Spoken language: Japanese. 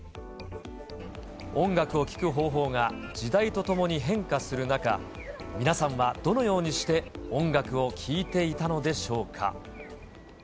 音楽を聴く方法が時代とともに変化する中、皆さんはどのようにして音楽を聴いていたのでしょうか。